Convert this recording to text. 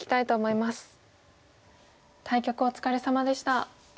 対局お疲れさまでした。